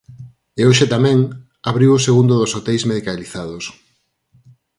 E hoxe tamén, abriu o segundo dos hoteis medicalizados.